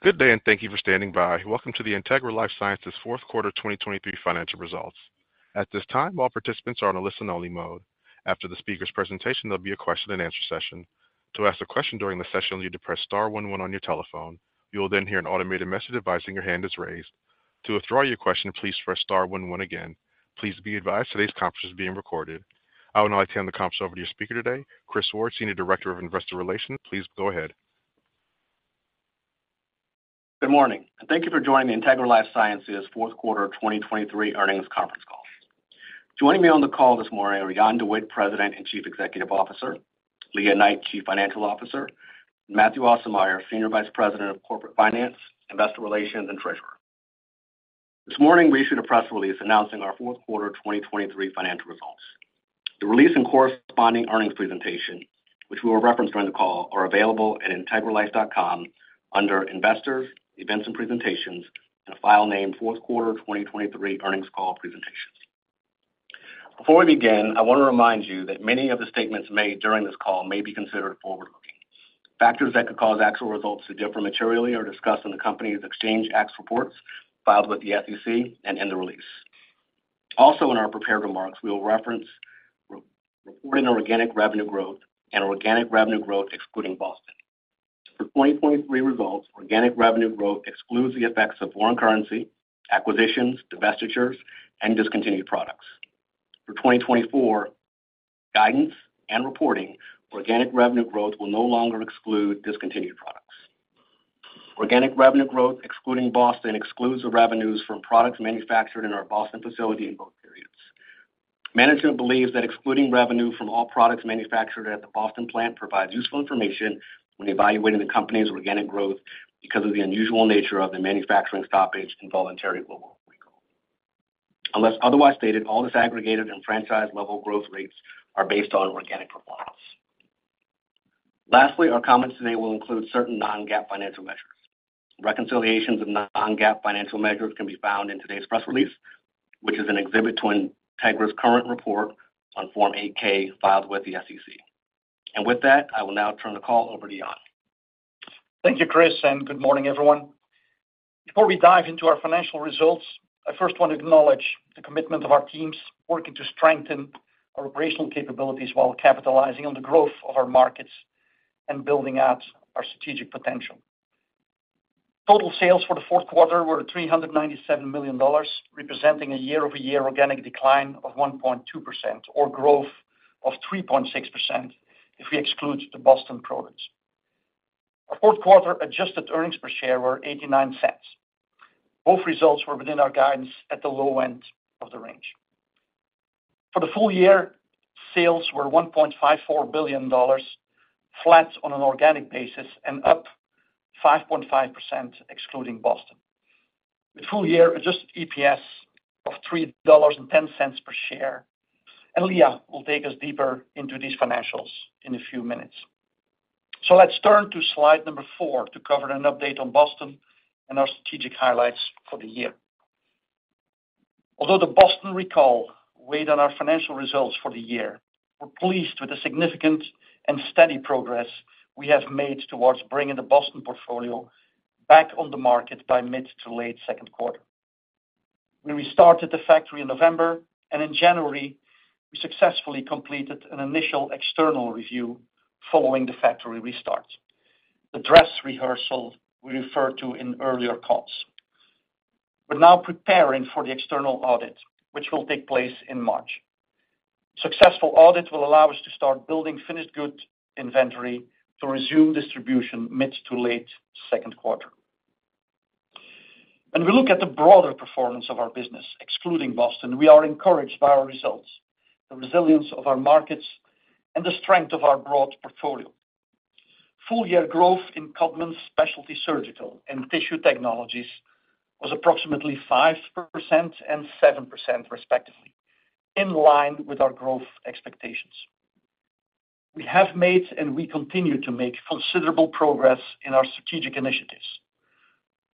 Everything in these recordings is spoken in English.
Good day and thank you for standing by. Welcome to the Integra LifeSciences fourth quarter 2023 financial results. At this time, all participants are on a listen-only mode. After the speaker's presentation, there'll be a question-and-answer session. To ask a question during the session, you depress star one one on your telephone. You will then hear an automated message advising your hand is raised. To withdraw your question, please press star one one again. Please be advised today's conference is being recorded. I will now hand the conference over to your speaker today, Chris Ward, Senior Director of Investor Relations. Please go ahead. Good morning. Thank you for joining the Integra LifeSciences fourth quarter 2023 earnings conference call. Joining me on the call this morning are Jan De Witte, President and Chief Executive Officer, Lea Knight, Chief Financial Officer, and Mathieu Aussermeier, Senior Vice President of Corporate Finance, Investor Relations, and Treasurer. This morning, we issued a press release announcing our fourth quarter 2023 financial results. The release and corresponding earnings presentation, which we will reference during the call, are available at integralife.com under Investors, Events and Presentations, and a file named Fourth Quarter 2023 Earnings Call Presentations. Before we begin, I want to remind you that many of the statements made during this call may be considered forward-looking. Factors that could cause actual results to differ materially are discussed in the company's Exchange Act reports filed with the SEC and in the release. Also, in our prepared remarks, we will reference reporting organic revenue growth and organic revenue growth excluding Boston. For 2023 results, organic revenue growth excludes the effects of foreign currency, acquisitions, divestitures, and discontinued products. For 2024 guidance and reporting, organic revenue growth will no longer exclude discontinued products. Organic revenue growth excluding Boston excludes the revenues from products manufactured in our Boston facility in both periods. Management believes that excluding revenue from all products manufactured at the Boston plant provides useful information when evaluating the company's organic growth because of the unusual nature of the manufacturing stoppage and voluntary global recall. Unless otherwise stated, all disaggregated and franchise-level growth rates are based on organic performance. Lastly, our comments today will include certain non-GAAP financial measures. Reconciliations of non-GAAP financial measures can be found in today's press release, which is an exhibit to Integra's current report on Form 8-K filed with the SEC. With that, I will now turn the call over to Jan. Thank you, Chris, and good morning, everyone. Before we dive into our financial results, I first want to acknowledge the commitment of our teams working to strengthen our operational capabilities while capitalizing on the growth of our markets and building out our strategic potential. Total sales for the fourth quarter were $397 million, representing a year-over-year organic decline of 1.2% or growth of 3.6% if we exclude the Boston products. Our fourth quarter adjusted earnings per share were $0.89. Both results were within our guidance at the low end of the range. For the full year, sales were $1.54 billion, flat on an organic basis, and up 5.5% excluding Boston, with full-year adjusted EPS of $3.10 per share. Lea will take us deeper into these financials in a few minutes. So let's turn to slide number four to cover an update on Boston and our strategic highlights for the year. Although the Boston recall weighed on our financial results for the year, we're pleased with the significant and steady progress we have made towards bringing the Boston portfolio back on the market by mid- to late second quarter. We restarted the factory in November, and in January, we successfully completed an initial external review following the factory restart, the dress rehearsal we referred to in earlier calls. We're now preparing for the external audit, which will take place in March. Successful audit will allow us to start building finished goods inventory to resume distribution mid- to late second quarter. When we look at the broader performance of our business excluding Boston, we are encouraged by our results, the resilience of our markets, and the strength of our broad portfolio. Full-year growth in Codman Specialty Surgical and Tissue Technologies was approximately 5% and 7%, respectively, in line with our growth expectations. We have made and we continue to make considerable progress in our strategic initiatives.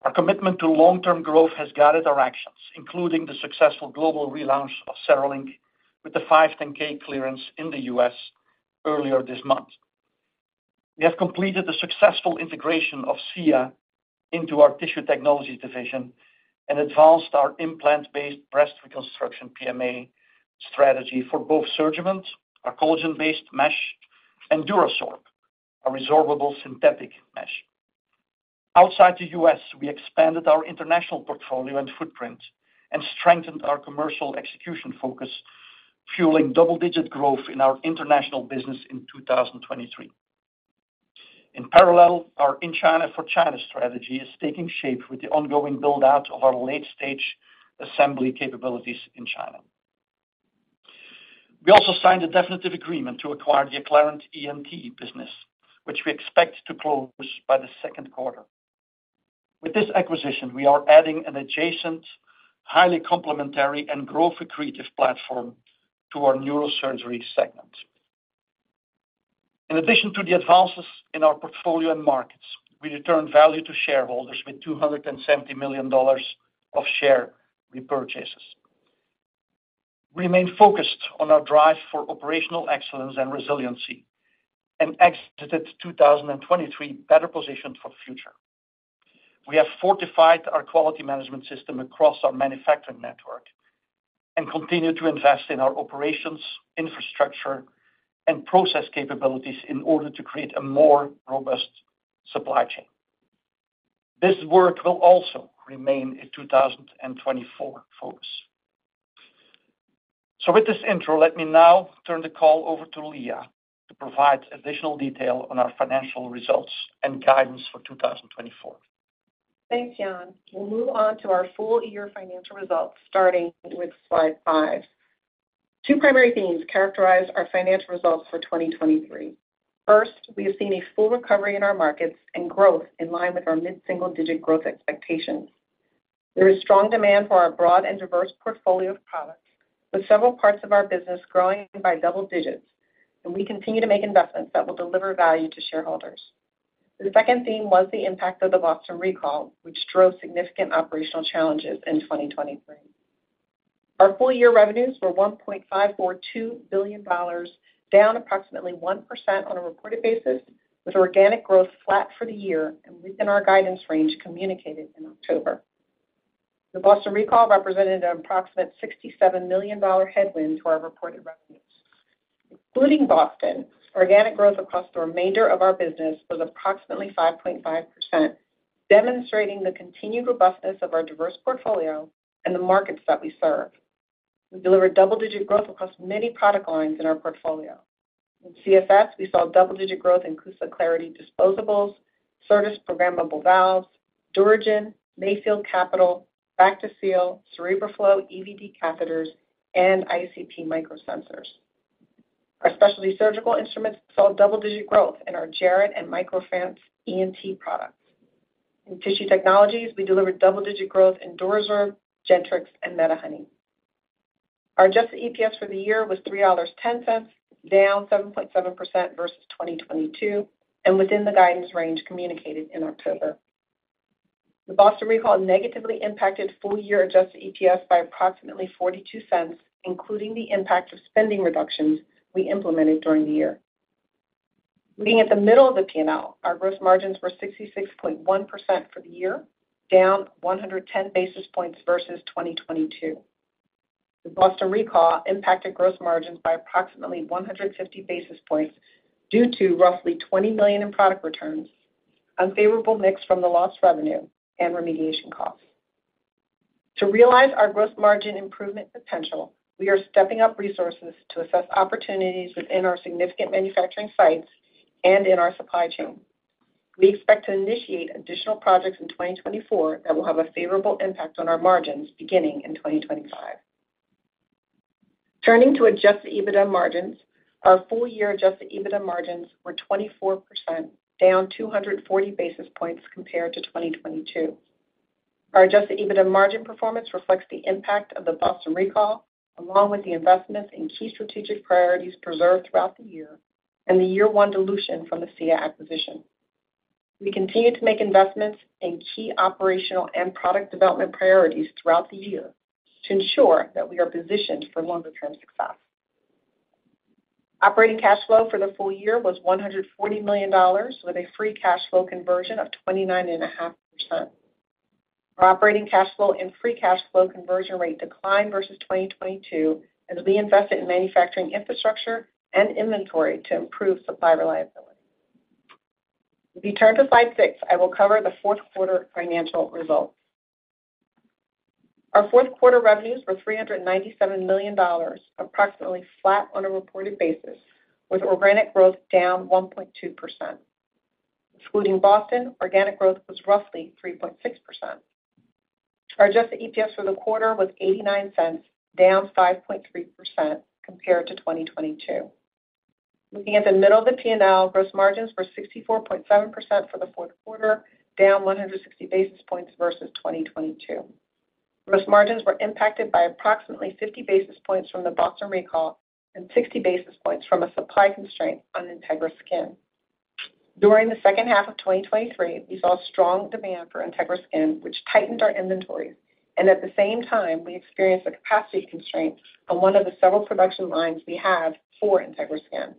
Our commitment to long-term growth has guided our actions, including the successful global relaunch of CereLink with the 510(k) clearance in the U.S. earlier this month. We have completed the successful integration of SIA into our Tissue Technologies division and advanced our implant-based breast reconstruction PMA strategy for both SurgiMend, our collagen-based mesh, and DuraSorb, our resorbable synthetic mesh. Outside the U.S., we expanded our international portfolio and footprint and strengthened our commercial execution focus, fueling double-digit growth in our international business in 2023. In parallel, our In China for China strategy is taking shape with the ongoing build-out of our late-stage assembly capabilities in China. We also signed a definitive agreement to acquire the Acclarent ENT business, which we expect to close by the second quarter. With this acquisition, we are adding an adjacent, highly complementary, and growth-accretive platform to our neurosurgery segment. In addition to the advances in our portfolio and markets, we returned value to shareholders with $270 million of share repurchases. We remain focused on our drive for operational excellence and resiliency and exited 2023 better positioned for the future. We have fortified our quality management system across our manufacturing network and continue to invest in our operations, infrastructure, and process capabilities in order to create a more robust supply chain. This work will also remain a 2024 focus. So with this intro, let me now turn the call over to Lea to provide additional detail on our financial results and guidance for 2024. Thanks, Jan. We'll move on to our full-year financial results starting with slide five. Two primary themes characterize our financial results for 2023. First, we have seen a full recovery in our markets and growth in line with our mid-single-digit growth expectations. There is strong demand for our broad and diverse portfolio of products, with several parts of our business growing by double digits, and we continue to make investments that will deliver value to shareholders. The second theme was the impact of the Boston recall, which drove significant operational challenges in 2023. Our full-year revenues were $1.542 billion, down approximately 1% on a reported basis, with organic growth flat for the year and within our guidance range communicated in October. The Boston recall represented an approximate $67 million headwind to our reported revenues. Including Boston, organic growth across the remainder of our business was approximately 5.5%, demonstrating the continued robustness of our diverse portfolio and the markets that we serve. We delivered double-digit growth across many product lines in our portfolio. In CSF, we saw double-digit growth in CUSA Clarity disposables, Certas programmable valves, DuraGen, Mayfield capital, Bactiseal, CerebroFlo EVD catheters, and ICP Microsensors. Our specialty surgical instruments saw double-digit growth in our Jarit and MicroFrance ENT products. In tissue technologies, we delivered double-digit growth in DuraSorb, Gentrix, and MediHoney. Our Adjusted EPS for the year was $3.10, down 7.7% versus 2022 and within the guidance range communicated in October. The Boston recall negatively impacted full-year Adjusted EPS by approximately $0.42, including the impact of spending reductions we implemented during the year. Looking at the middle of the P&L, our gross margins were 66.1% for the year, down 110 basis points versus 2022. The Boston recall impacted gross margins by approximately 150 basis points due to roughly $20 million in product returns, unfavorable mix from the lost revenue, and remediation costs. To realize our gross margin improvement potential, we are stepping up resources to assess opportunities within our significant manufacturing sites and in our supply chain. We expect to initiate additional projects in 2024 that will have a favorable impact on our margins beginning in 2025. Turning to adjusted EBITDA margins, our full-year adjusted EBITDA margins were 24%, down 240 basis points compared to 2022. Our adjusted EBITDA margin performance reflects the impact of the Boston recall along with the investments in key strategic priorities preserved throughout the year and the year-one dilution from the SIA acquisition. We continue to make investments in key operational and product development priorities throughout the year to ensure that we are positioned for longer-term success. Operating cash flow for the full year was $140 million with a free cash flow conversion of 29.5%. Our operating cash flow and free cash flow conversion rate declined versus 2022 as we invested in manufacturing infrastructure and inventory to improve supply reliability. If you turn to slide six, I will cover the fourth quarter financial results. Our fourth quarter revenues were $397 million, approximately flat on a reported basis, with organic growth down 1.2%. Excluding Boston, organic growth was roughly 3.6%. Our adjusted EPS for the quarter was $0.89, down 5.3% compared to 2022. Looking at the middle of the P&L, gross margins were 64.7% for the fourth quarter, down 160 basis points versus 2022. Gross margins were impacted by approximately 50 basis points from the Boston recall and 60 basis points from a supply constraint on Integra Skin. During the second half of 2023, we saw strong demand for Integra Skin, which tightened our inventories, and at the same time, we experienced a capacity constraint on one of the several production lines we have for Integra Skin.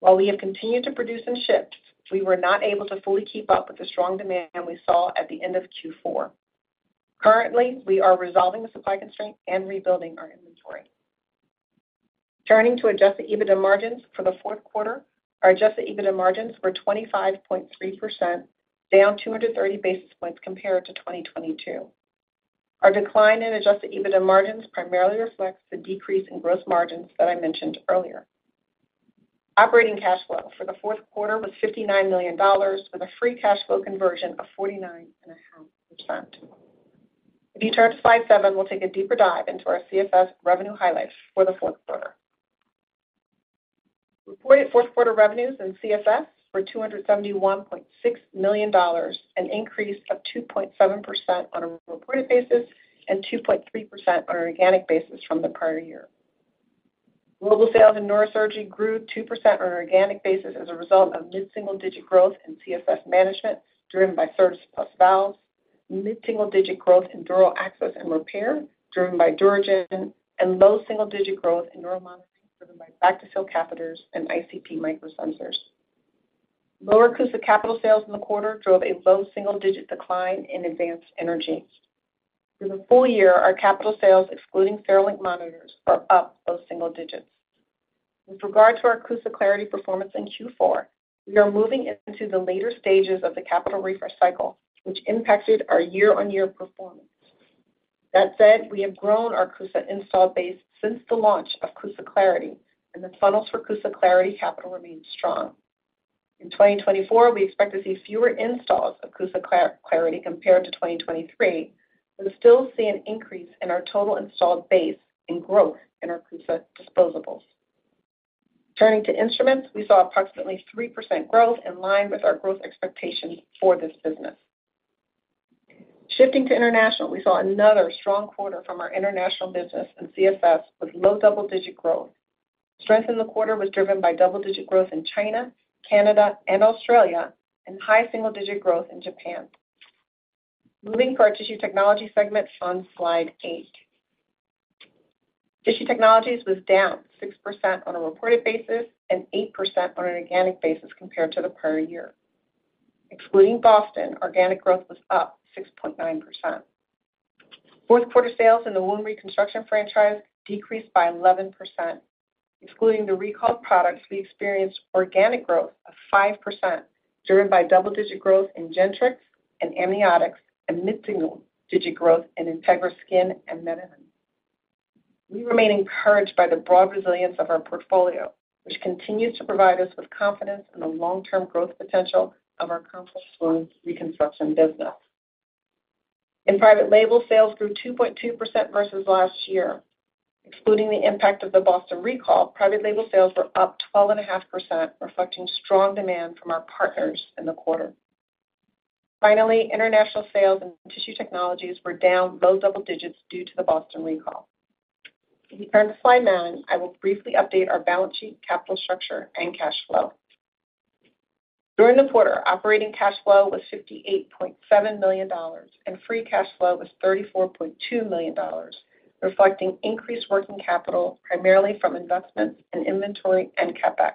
While we have continued to produce and ship, we were not able to fully keep up with the strong demand we saw at the end of Q4. Currently, we are resolving the supply constraint and rebuilding our inventory. Turning to adjusted EBITDA margins for the fourth quarter, our adjusted EBITDA margins were 25.3%, down 230 basis points compared to 2022. Our decline in adjusted EBITDA margins primarily reflects the decrease in gross margins that I mentioned earlier. Operating cash flow for the fourth quarter was $59 million, with a free cash flow conversion of 49.5%. If you turn to slide seven, we'll take a deeper dive into our CSF revenue highlights for the fourth quarter. Reported fourth quarter revenues in CSF were $271.6 million, an increase of 2.7% on a reported basis and 2.3% on an organic basis from the prior year. Global sales in neurosurgery grew 2% on an organic basis as a result of mid-single-digit growth in CSF management driven by CertasPlus valves, mid-single-digit growth in dural access and repair driven by DuraGen, and low single-digit growth in neural monitoring driven by Bactiseal catheters and ICP microsensors. Lower CUSA capital sales in the quarter drove a low single-digit decline in advanced energy. Through the full year, our capital sales, excluding CereLink monitors, are up those single digits. With regard to our CUSA Clarity performance in Q4, we are moving into the later stages of the capital refresh cycle, which impacted our year-on-year performance. That said, we have grown our CUSA install base since the launch of CUSA Clarity, and the funnels for CUSA Clarity capital remain strong. In 2024, we expect to see fewer installs of CUSA Clarity compared to 2023, but still see an increase in our total installed base and growth in our CUSA disposables. Turning to instruments, we saw approximately 3% growth in line with our growth expectations for this business. Shifting to international, we saw another strong quarter from our international business in CSF with low double-digit growth. Strength in the quarter was driven by double-digit growth in China, Canada, and Australia, and high single-digit growth in Japan. Moving to our tissue technology segment on slide eight. Tissue Technologies was down 6% on a reported basis and 8% on an organic basis compared to the prior year. Excluding Boston, organic growth was up 6.9%. Fourth quarter sales in the wound reconstruction franchise decreased by 11%. Excluding the recalled products, we experienced organic growth of 5% driven by double-digit growth in Gentrix and Amniotics, and mid-single-digit growth in Integra Skin and MediHoney. We remain encouraged by the broad resilience of our portfolio, which continues to provide us with confidence in the long-term growth potential of our complex wound reconstruction business. In private label sales, grew 2.2% versus last year. Excluding the impact of the Boston recall, private label sales were up 12.5%, reflecting strong demand from our partners in the quarter. Finally, international sales in Tissue Technologies were down low double digits due to the Boston recall. If you turn to slide nine, I will briefly update our balance sheet, capital structure, and cash flow. During the quarter, operating cash flow was $58.7 million, and free cash flow was $34.2 million, reflecting increased working capital primarily from investments in inventory and CapEx.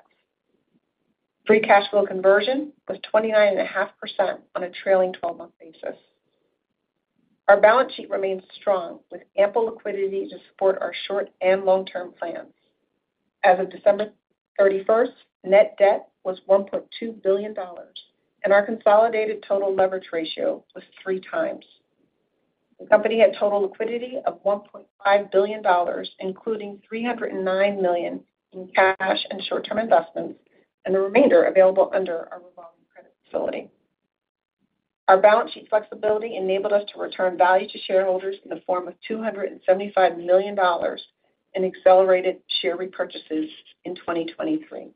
Free cash flow conversion was 29.5% on a trailing 12-month basis. Our balance sheet remains strong, with ample liquidity to support our short and long-term plans. As of December 31st, net debt was $1.2 billion, and our consolidated total leverage ratio was three times. The company had total liquidity of $1.5 billion, including $309 million in cash and short-term investments, and the remainder available under our revolving credit facility. Our balance sheet flexibility enabled us to return value to shareholders in the form of $275 million in accelerated share repurchases in 2023.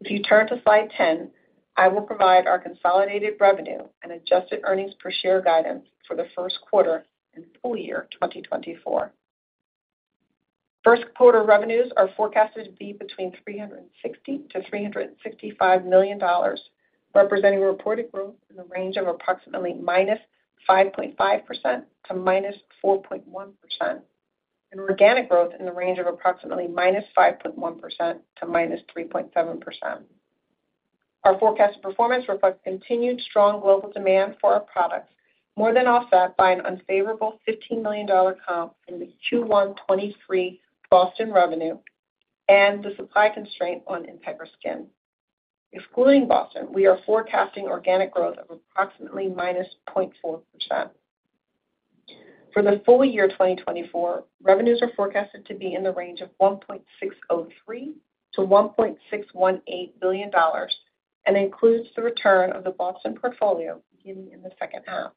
If you turn to slide 10, I will provide our consolidated revenue and adjusted earnings per share guidance for the first quarter and full year 2024. First quarter revenues are forecasted to be between $360 million-$365 million, representing reported growth in the range of approximately -5.5% to -4.1%, and organic growth in the range of approximately -5.1% to -3.7%. Our forecasted performance reflects continued strong global demand for our products, more than offset by an unfavorable $15 million comp from the Q1 2023 Boston revenue and the supply constraint on Integra Skin. Excluding Boston, we are forecasting organic growth of approximately -0.4%. For the full year 2024, revenues are forecasted to be in the range of $1.603 billion-$1.618 billion and includes the return of the Boston portfolio beginning in the second half.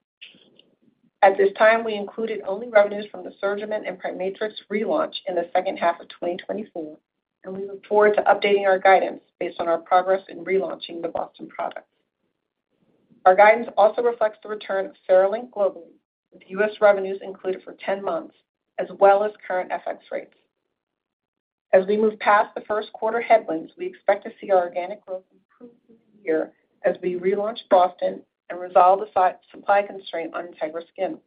At this time, we included only revenues from the SurgiMend and PriMatrix relaunch in the second half of 2024, and we look forward to updating our guidance based on our progress in relaunching the Boston products. Our guidance also reflects the return of CereLink globally, with U.S. revenues included for 10 months as well as current FX rates. As we move past the first quarter headwinds, we expect to see our organic growth improve through the year as we relaunch Boston and resolve the supply constraint on Integra Skin.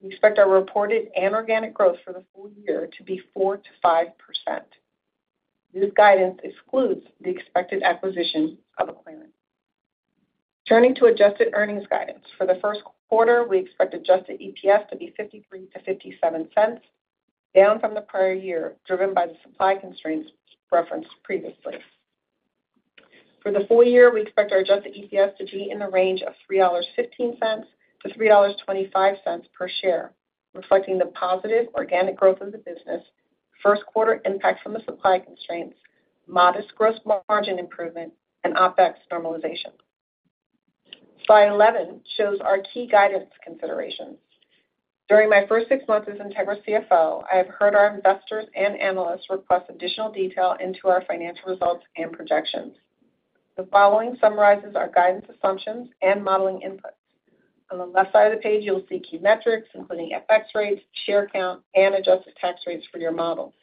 We expect our reported inorganic growth for the full year to be 4%-5%. This guidance excludes the expected acquisition of Acclarent. Turning to adjusted earnings guidance, for the first quarter, we expect adjusted EPS to be $0.53-$0.57, down from the prior year driven by the supply constraints referenced previously. For the full year, we expect our adjusted EPS to be in the range of $3.15-$3.25 per share, reflecting the positive organic growth of the business, first quarter impact from the supply constraints, modest gross margin improvement, and OpEx normalization. Slide 11 shows our key guidance considerations. During my first six months as Integra CFO, I have heard our investors and analysts request additional detail into our financial results and projections. The following summarizes our guidance assumptions and modeling inputs. On the left side of the page, you'll see key metrics including FX rates, share count, and adjusted tax rates for your model.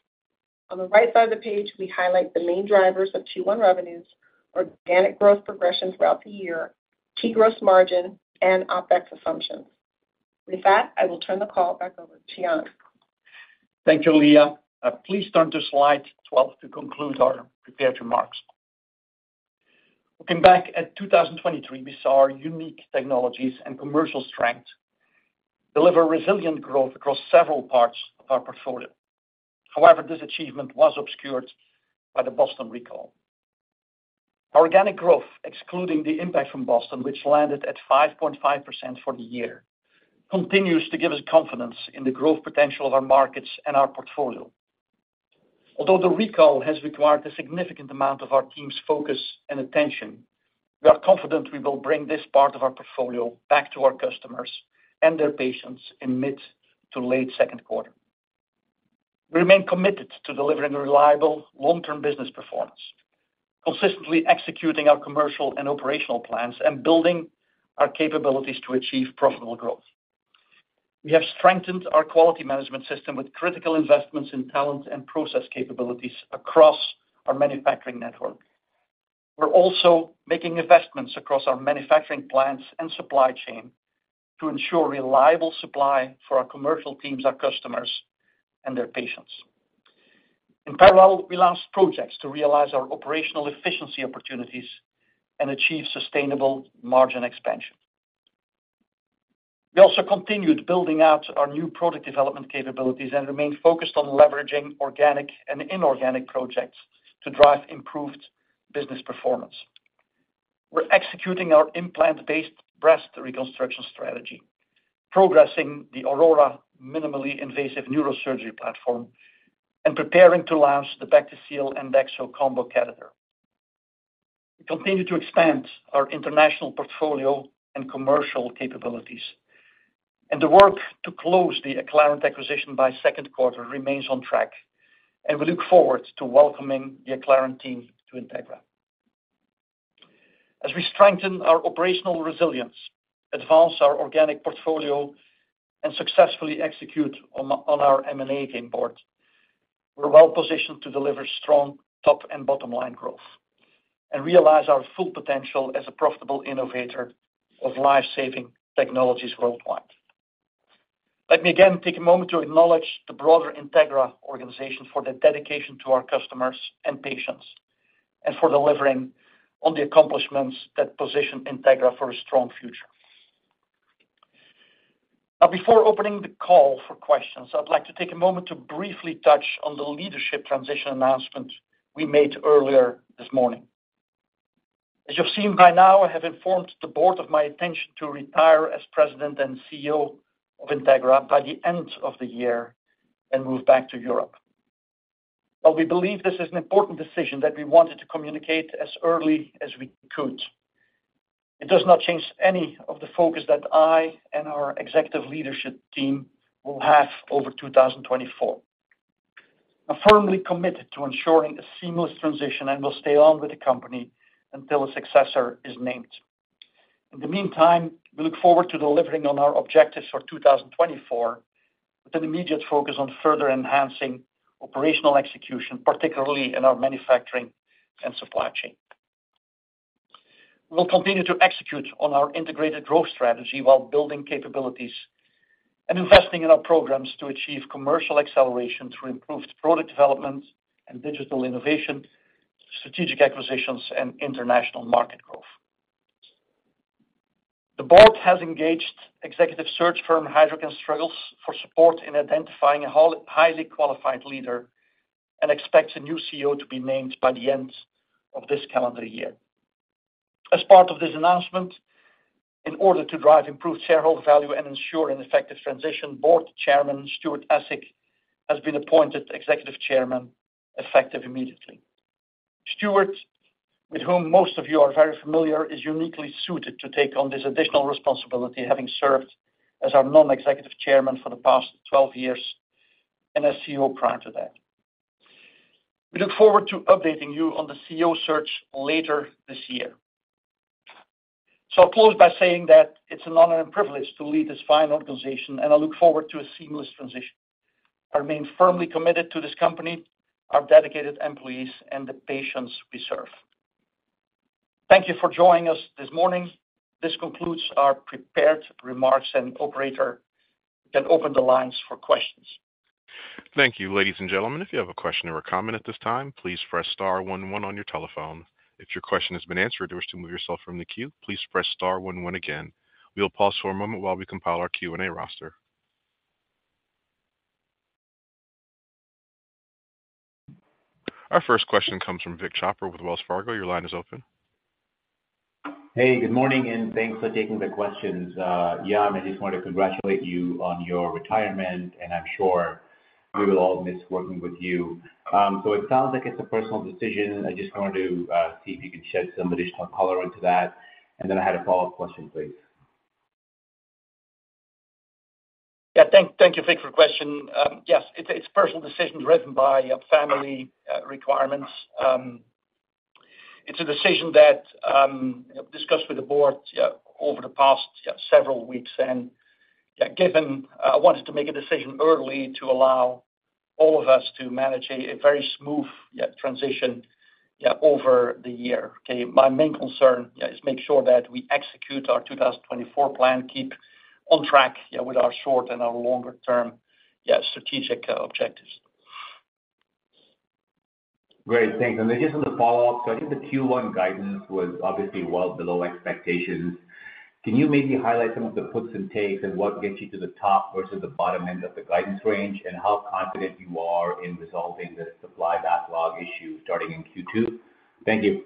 On the right side of the page, we highlight the main drivers of Q1 revenues, organic growth progression throughout the year, key gross margin, and OpEx assumptions. With that, I will turn the call back over to Jan. Thank you, Lea. Please turn to slide 12 to conclude our prepared remarks. Looking back at 2023, we saw our unique technologies and commercial strength deliver resilient growth across several parts of our portfolio. However, this achievement was obscured by the Boston recall. Our organic growth, excluding the impact from Boston, which landed at 5.5% for the year, continues to give us confidence in the growth potential of our markets and our portfolio. Although the recall has required a significant amount of our team's focus and attention, we are confident we will bring this part of our portfolio back to our customers and their patients in mid to late second quarter. We remain committed to delivering reliable long-term business performance, consistently executing our commercial and operational plans, and building our capabilities to achieve profitable growth. We have strengthened our quality management system with critical investments in talent and process capabilities across our manufacturing network. We're also making investments across our manufacturing plants and supply chain to ensure reliable supply for our commercial teams, our customers, and their patients. In parallel, we launched projects to realize our operational efficiency opportunities and achieve sustainable margin expansion. We also continued building out our new product development capabilities and remain focused on leveraging organic and inorganic projects to drive improved business performance. We're executing our implant-based breast reconstruction strategy, progressing the Aurora minimally invasive neurosurgery platform, and preparing to launch the Bactiseal and DuraSeal combo catheter. We continue to expand our international portfolio and commercial capabilities, and the work to close the Acclarent acquisition by second quarter remains on track, and we look forward to welcoming the Acclarent team to Integra. As we strengthen our operational resilience, advance our organic portfolio, and successfully execute on our M&A game board, we're well positioned to deliver strong top and bottom line growth and realize our full potential as a profitable innovator of life-saving technologies worldwide. Let me again take a moment to acknowledge the broader Integra organization for their dedication to our customers and patients and for delivering on the accomplishments that position Integra for a strong future. Now, before opening the call for questions, I'd like to take a moment to briefly touch on the leadership transition announcement we made earlier this morning. As you've seen by now, I have informed the board of my intention to retire as President and CEO of Integra by the end of the year and move back to Europe. While we believe this is an important decision that we wanted to communicate as early as we could, it does not change any of the focus that I and our executive leadership team will have over 2024. I'm firmly committed to ensuring a seamless transition and will stay on with the company until a successor is named. In the meantime, we look forward to delivering on our objectives for 2024 with an immediate focus on further enhancing operational execution, particularly in our manufacturing and supply chain. We'll continue to execute on our integrated growth strategy while building capabilities and investing in our programs to achieve commercial acceleration through improved product development and digital innovation, strategic acquisitions, and international market growth. The board has engaged executive search firm Heidrick & Struggles for support in identifying a highly qualified leader and expects a new CEO to be named by the end of this calendar year. As part of this announcement, in order to drive improved shareholder value and ensure an effective transition, Board Chairman Stuart Essig has been appointed Executive Chairman effective immediately. Stuart, with whom most of you are very familiar, is uniquely suited to take on this additional responsibility, having served as our non-Executive Chairman for the past 12 years and as CEO prior to that. We look forward to updating you on the CEO search later this year. So I'll close by saying that it's an honor and privilege to lead this fine organization, and I look forward to a seamless transition. I remain firmly committed to this company, our dedicated employees, and the patients we serve. Thank you for joining us this morning. This concludes our prepared remarks, and the operator can open the lines for questions. Thank you. Ladies and gentlemen, if you have a question or a comment at this time, please press star one one on your telephone. If your question has been answered or wish to move yourself from the queue, please press star one one again. We'll pause for a moment while we compile our Q&A roster. Our first question comes from Vik Chopra with Wells Fargo. Your line is open. Hey, good morning, and thanks for taking the questions. Jan, I just want to congratulate you on your retirement, and I'm sure we will all miss working with you. So it sounds like it's a personal decision. I just wanted to see if you can shed some additional color into that. And then I had a follow-up question, please. Yeah, thank you, Vik, for the question. Yes, it's a personal decision driven by family requirements. It's a decision that I've discussed with the board over the past several weeks. Given I wanted to make a decision early to allow all of us to manage a very smooth transition over the year. My main concern is to make sure that we execute our 2024 plan, keep on track with our short and our longer-term strategic objectives. Great. Thanks. Then just on the follow-up, so I think the Q1 guidance was obviously well below expectations. Can you maybe highlight some of the puts and takes and what gets you to the top versus the bottom end of the guidance range and how confident you are in resolving the supply backlog issue starting in Q2? Thank you.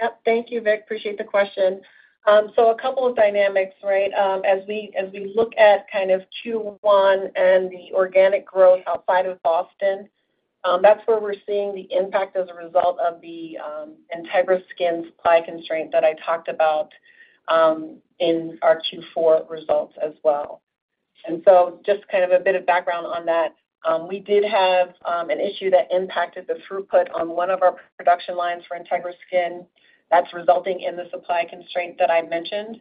Yep, thank you, Vic. Appreciate the question. So a couple of dynamics, right? As we look at kind of Q1 and the organic growth outside of Boston, that's where we're seeing the impact as a result of the Integra Skin supply constraint that I talked about in our Q4 results as well. And so just kind of a bit of background on that, we did have an issue that impacted the throughput on one of our production lines for Integra Skin. That's resulting in the supply constraint that I mentioned.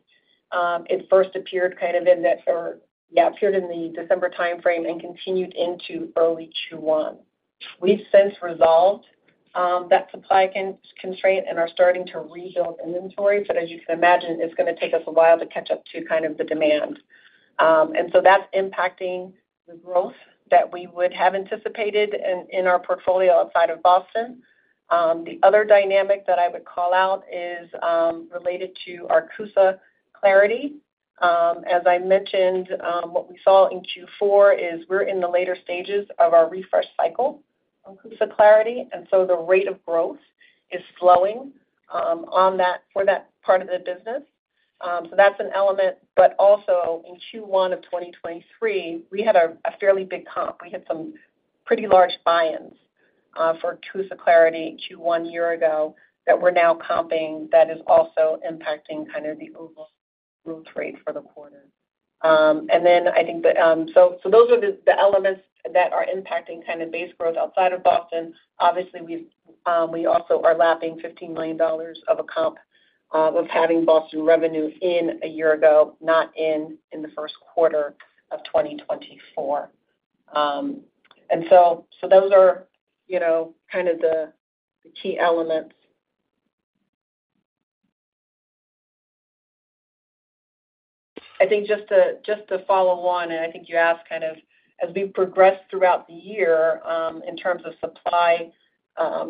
It first appeared kind of in the, or yeah, appeared in the December timeframe and continued into early Q1. We've since resolved that supply constraint and are starting to rebuild inventory. But as you can imagine, it's going to take us a while to catch up to kind of the demand. And so that's impacting the growth that we would have anticipated in our portfolio outside of Boston. The other dynamic that I would call out is related to CUSA Clarity. As I mentioned, what we saw in Q4 is we're in the later stages of our refresh cycle on CUSA Clarity. And so the rate of growth is slowing for that part of the business. So that's an element. But also in Q1 of 2023, we had a fairly big comp. We had some pretty large buy-ins for CUSA Clarity Q1 a year ago that we're now comping that is also impacting kind of the overall growth rate for the quarter. And then I think that so those are the elements that are impacting kind of base growth outside of Boston. Obviously, we also are lapping $15 million of a comp of having Boston revenue in a year ago, not in the first quarter of 2024. And so those are kind of the key elements. I think just to follow on, and I think you asked kind of as we progressed throughout the year in terms of supply,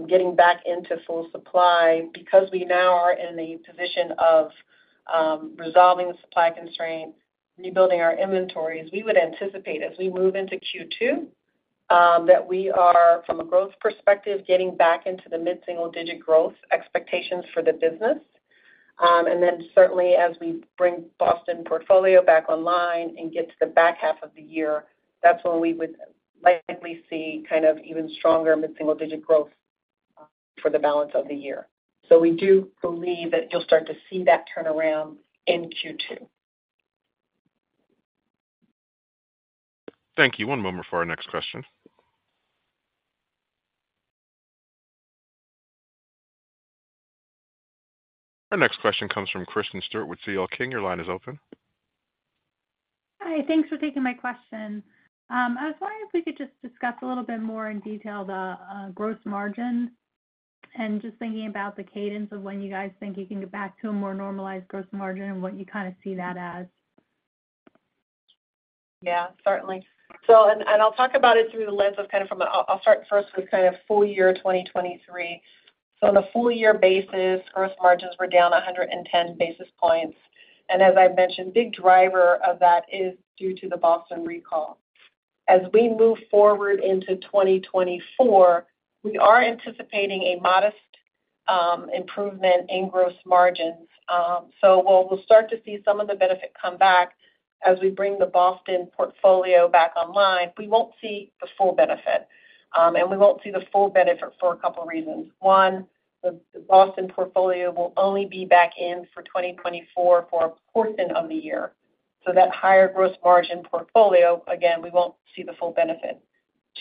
getting back into full supply, because we now are in a position of resolving the supply constraint, rebuilding our inventories, we would anticipate as we move into Q2 that we are, from a growth perspective, getting back into the mid-single-digit growth expectations for the business. And then certainly, as we bring Boston portfolio back online and get to the back half of the year, that's when we would likely see kind of even stronger mid-single-digit growth for the balance of the year. So we do believe that you'll start to see that turnaround in Q2. Thank you. One moment for our next question. Our next question comes from Kristen Stewart with CL King. Your line is open. Hi. Thanks for taking my question. I was wondering if we could just discuss a little bit more in detail the gross margin and just thinking about the cadence of when you guys think you can get back to a more normalized gross margin and what you kind of see that as? Yeah, certainly. I'll talk about it through the lens of kind of from a. I'll start first with kind of full year 2023. So on a full-year basis, gross margins were down 110 basis points. And as I mentioned, a big driver of that is due to the Boston recall. As we move forward into 2024, we are anticipating a modest improvement in gross margins. So while we'll start to see some of the benefit come back as we bring the Boston portfolio back online, we won't see the full benefit. And we won't see the full benefit for a couple of reasons. One, the Boston portfolio will only be back in for 2024 for a portion of the year. So that higher gross margin portfolio, again, we won't see the full benefit.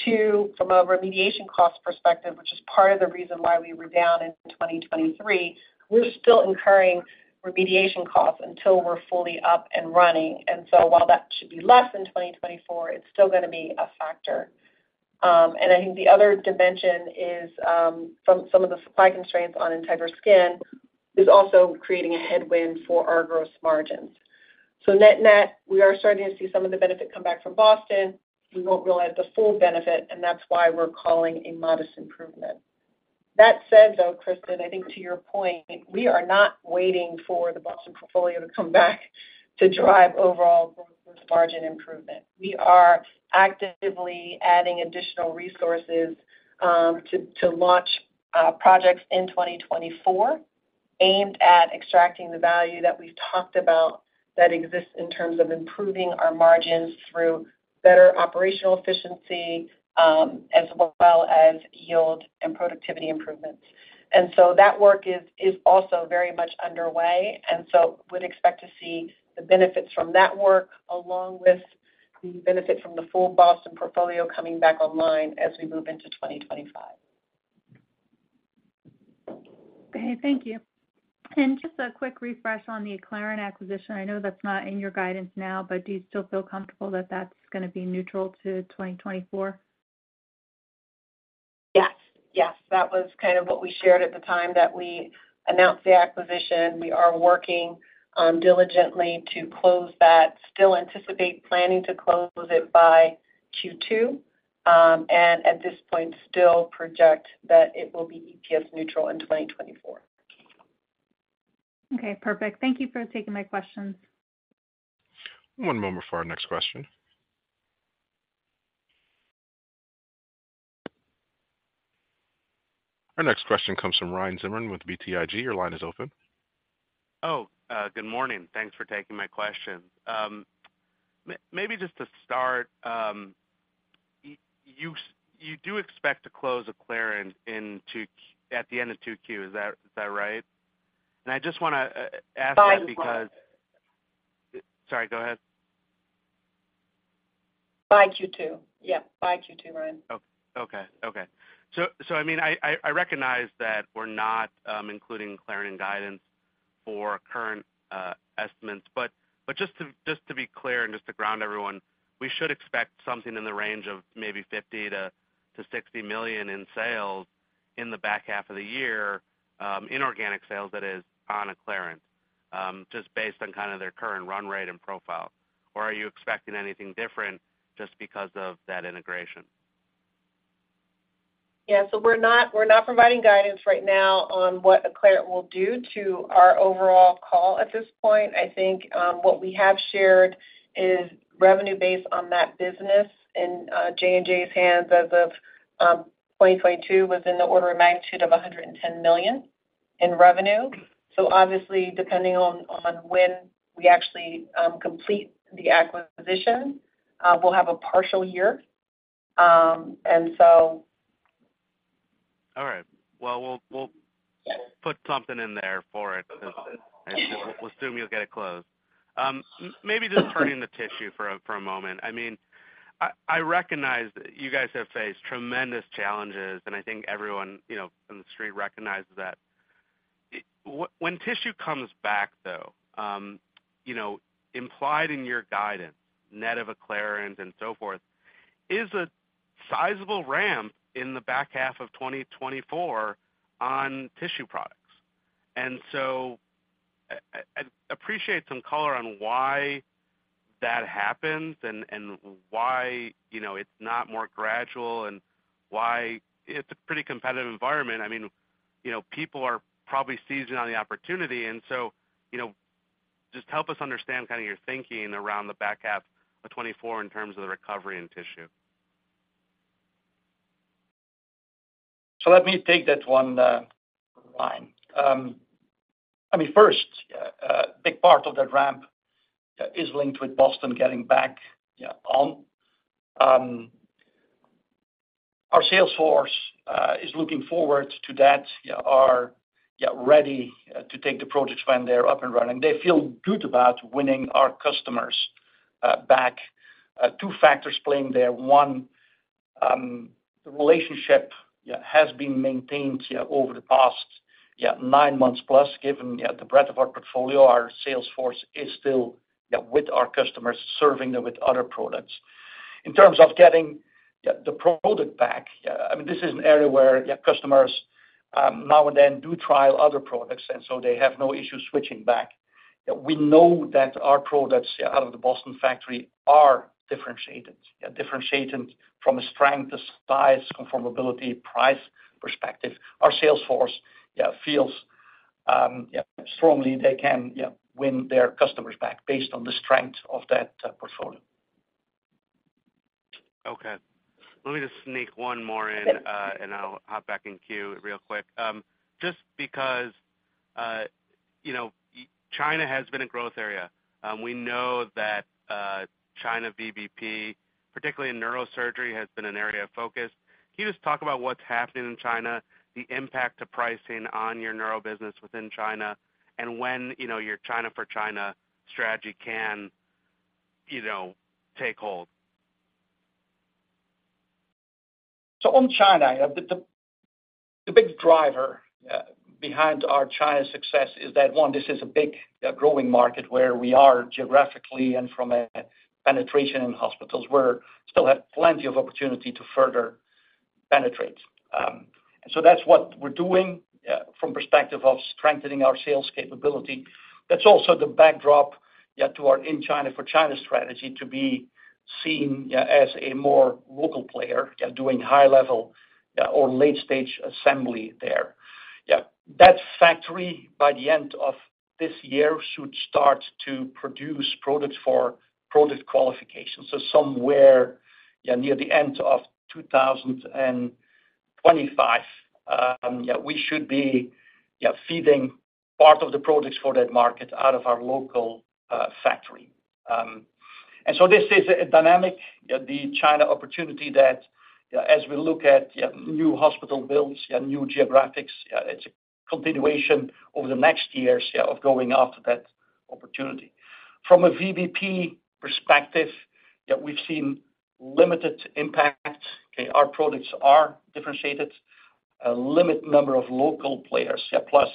Two, from a remediation cost perspective, which is part of the reason why we were down in 2023, we're still incurring remediation costs until we're fully up and running. And so while that should be less in 2024, it's still going to be a factor. And I think the other dimension is from some of the supply constraints on Integra Skin is also creating a headwind for our gross margins. So net-net, we are starting to see some of the benefit come back from Boston. We won't realize the full benefit, and that's why we're calling a modest improvement. That said, though, Kristen, I think to your point, we are not waiting for the Boston portfolio to come back to drive overall gross margin improvement. We are actively adding additional resources to launch projects in 2024 aimed at extracting the value that we've talked about that exists in terms of improving our margins through better operational efficiency as well as yield and productivity improvements. And so that work is also very much underway. And so we'd expect to see the benefits from that work along with the benefit from the full Boston portfolio coming back online as we move into 2025. Okay. Thank you. And just a quick refresh on the Acclarent acquisition. I know that's not in your guidance now, but do you still feel comfortable that that's going to be neutral to 2024? Yes. Yes. That was kind of what we shared at the time that we announced the acquisition. We are working diligently to close that, still anticipate planning to close it by Q2, and at this point, still project that it will be EPS neutral in 2024. Okay. Perfect. Thank you for taking my questions. One moment for our next question. Our next question comes from Ryan Zimmerman with BTIG. Your line is open. Oh, good morning. Thanks for taking my question. Maybe just to start, you do expect to close Acclarent at the end of Q2. Is that right? And I just want to ask that because sorry, go ahead. By Q2. Yeah, by Q2, Ryan. Okay. Okay. Okay. So I mean, I recognize that we're not including Acclarent in guidance for current estimates. But just to be clear and just to ground everyone, we should expect something in the range of maybe $50 million-$60 million in sales in the back half of the year, inorganic sales that is, on Acclarent just based on kind of their current run rate and profile. Or are you expecting anything different just because of that integration? Yeah. So we're not providing guidance right now on what Acclarent will do to our overall call at this point. I think what we have shared is revenue based on that business in J&J's hands as of 2022 was in the order of magnitude of $110 million in revenue. So obviously, depending on when we actually complete the acquisition, we'll have a partial year. And so. All right. Well, we'll put something in there for it because we'll assume you'll get it closed. Maybe just turning to tissue for a moment. I mean, I recognize that you guys have faced tremendous challenges, and I think everyone in the street recognizes that. When tissue comes back, though, implied in your guidance, net of Acclarent and so forth, is a sizable ramp in the back half of 2024 on tissue products. And so I appreciate some color on why that happens and why it's not more gradual and why it's a pretty competitive environment. I mean, people are probably seizing on the opportunity. And so just help us understand kind of your thinking around the back half of 2024 in terms of the recovery in tissue. So let me take that one line. I mean, first, a big part of that ramp is linked with Boston getting back on. Our sales force is looking forward to that, are ready to take the projects when they're up and running. They feel good about winning our customers back. Two factors playing there. One, the relationship has been maintained over the past nine months plus. Given the breadth of our portfolio, our sales force is still with our customers, serving them with other products. In terms of getting the product back, I mean, this is an area where customers now and then do trial other products, and so they have no issue switching back. We know that our products out of the Boston factory are differentiated, differentiated from a strength to size, conformability, price perspective. Our sales force feels strongly they can win their customers back based on the strength of that portfolio. Okay. Let me just sneak one more in, and I'll hop back in queue real quick. Just because China has been a growth area, we know that China VBP, particularly in neurosurgery, has been an area of focus. Can you just talk about what's happening in China, the impact to pricing on your neuro business within China, and when your China for China strategy can take hold? So on China, the big driver behind our China success is that, one, this is a big growing market where we are geographically and from a penetration in hospitals. We still have plenty of opportunity to further penetrate. And so that's what we're doing from perspective of strengthening our sales capability. That's also the backdrop to our In China for China strategy to be seen as a more local player doing high-level or late-stage assembly there. That factory, by the end of this year, should start to produce products for product qualification. So somewhere near the end of 2025, we should be feeding part of the products for that market out of our local factory. And so this is a dynamic, the China opportunity, that as we look at new hospital builds, new geographies, it's a continuation over the next years of going after that opportunity. From a VBP perspective, we've seen limited impact. Our products are differentiated, a limited number of local players. Plus,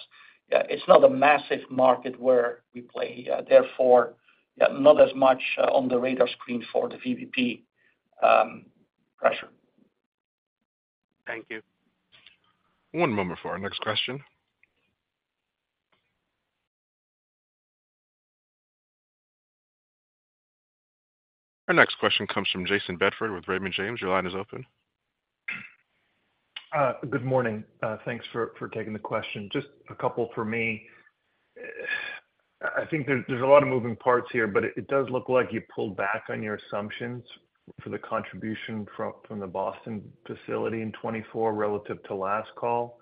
it's not a massive market where we play. Therefore, not as much on the radar screen for the VBP pressure. Thank you. One moment for our next question. Our next question comes from Jason Bedford with Raymond James. Your line is open. Good morning. Thanks for taking the question. Just a couple for me. I think there's a lot of moving parts here, but it does look like you pulled back on your assumptions for the contribution from the Boston facility in 2024 relative to last call.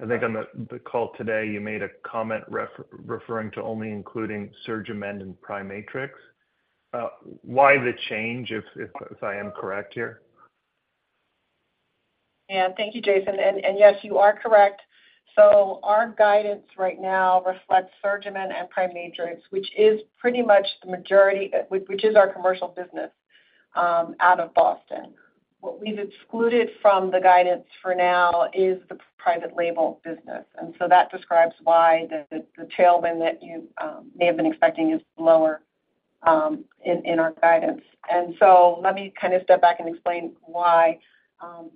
I think on the call today, you made a comment referring to only including SurgiMend and PriMatrix. Why the change, if I am correct here? Yeah. Thank you, Jason. And yes, you are correct. So our guidance right now reflects SurgiMend and PriMatrix, which is pretty much the majority, which is our commercial business out of Boston. What we've excluded from the guidance for now is the private label business. And so that describes why the tailwind that you may have been expecting is lower in our guidance. And so let me kind of step back and explain why.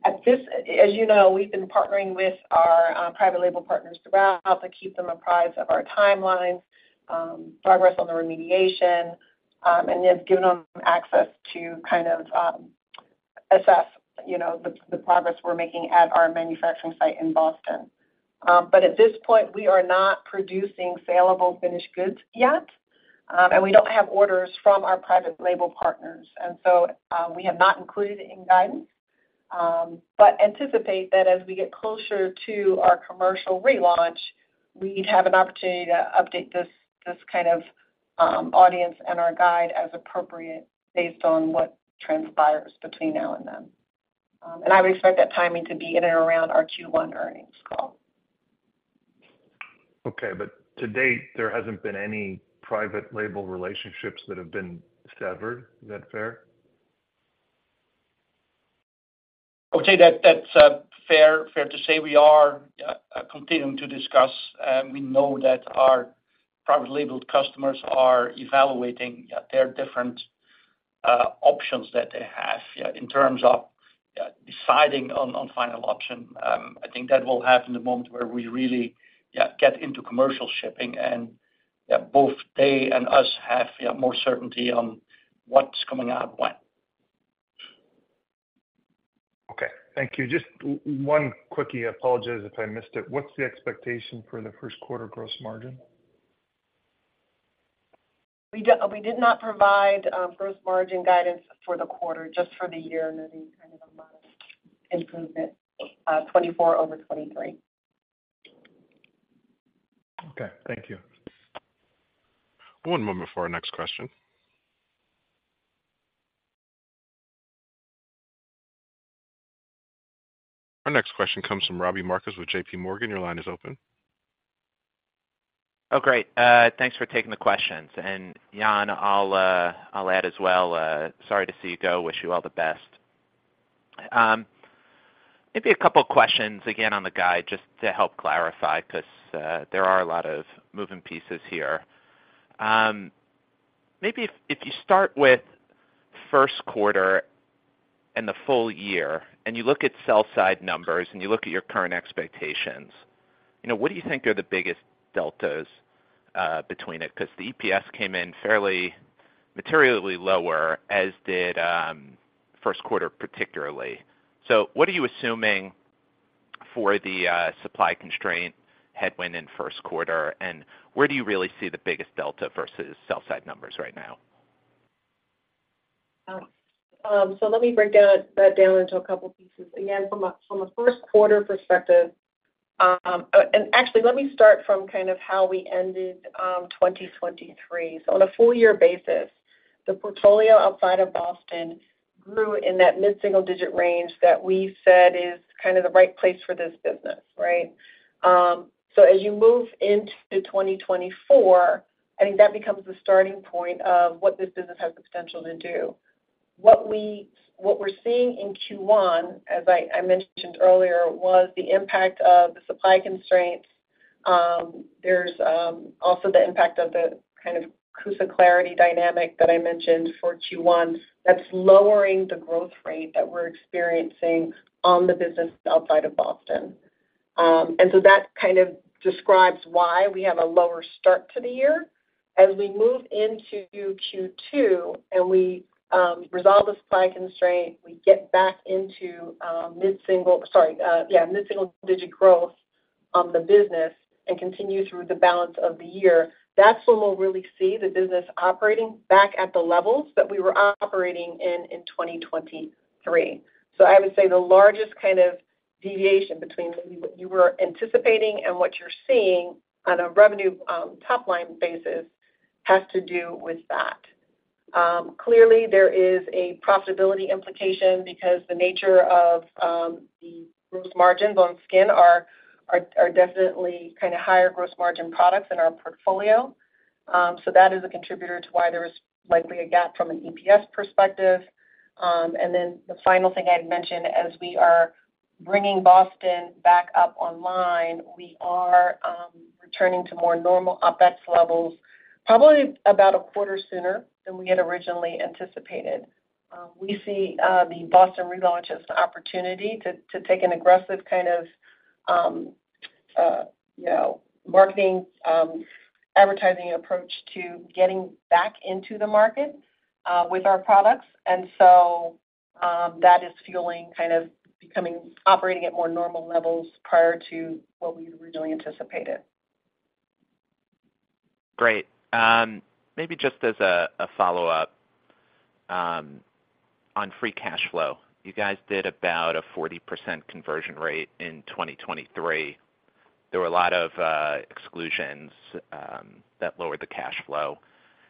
As you know, we've been partnering with our private label partners throughout to keep them apprised of our timelines, progress on the remediation, and have given them access to kind of assess the progress we're making at our manufacturing site in Boston. But at this point, we are not producing saleable finished goods yet, and we don't have orders from our private label partners. And so we have not included it in guidance but anticipate that as we get closer to our commercial relaunch, we'd have an opportunity to update this kind of audience and our guide as appropriate based on what transpires between now and then. And I would expect that timing to be in and around our Q1 earnings call. Okay. But to date, there hasn't been any private label relationships that have been severed. Is that fair? Okay. That's fair to say. We are continuing to discuss. We know that our private labeled customers are evaluating their different options that they have in terms of deciding on final option. I think that will happen the moment where we really get into commercial shipping, and both they and us have more certainty on what's coming out when. Okay. Thank you. Just one quickie, apologies if I missed it. What's the expectation for the first quarter gross margin? We did not provide gross margin guidance for the quarter, just for the year and kind of a modest improvement 2024 over 2023. Okay. Thank you. One moment for our next question. Our next question comes from Robbie Marcus with JPMorgan. Your line is open. Oh, great. Thanks for taking the questions. And Jan, I'll add as well. Sorry to see you go. Wish you all the best. Maybe a couple of questions again on the guide just to help clarify because there are a lot of moving pieces here. Maybe if you start with first quarter and the full year, and you look at sell-side numbers, and you look at your current expectations, what do you think are the biggest deltas between it? Because the EPS came in fairly materially lower, as did first quarter particularly. So what are you assuming for the supply constraint headwind in first quarter, and where do you really see the biggest delta versus sell-side numbers right now? So let me break that down into a couple of pieces. Again, from a first quarter perspective and actually, let me start from kind of how we ended 2023. So on a full-year basis, the portfolio outside of Boston grew in that mid-single-digit range that we said is kind of the right place for this business, right? So as you move into 2024, I think that becomes the starting point of what this business has the potential to do. What we're seeing in Q1, as I mentioned earlier, was the impact of the supply constraints. There's also the impact of the kind of CUSA Clarity dynamic that I mentioned for Q1 that's lowering the growth rate that we're experiencing on the business outside of Boston. And so that kind of describes why we have a lower start to the year. As we move into Q2 and we resolve the supply constraint, we get back into mid-single sorry, yeah, mid-single-digit growth on the business and continue through the balance of the year. That's when we'll really see the business operating back at the levels that we were operating in 2023. So I would say the largest kind of deviation between what you were anticipating and what you're seeing on a revenue top-line basis has to do with that. Clearly, there is a profitability implication because the nature of the gross margins on skin are definitely kind of higher gross margin products in our portfolio. So that is a contributor to why there is likely a gap from an EPS perspective. And then the final thing I'd mention, as we are bringing Boston back up online, we are returning to more normal OpEx levels, probably about a quarter sooner than we had originally anticipated. We see the Boston relaunch as an opportunity to take an aggressive kind of marketing, advertising approach to getting back into the market with our products. And so that is fueling kind of becoming operating at more normal levels prior to what we originally anticipated. Great. Maybe just as a follow-up on free cash flow, you guys did about a 40% conversion rate in 2023. There were a lot of exclusions that lowered the cash flow.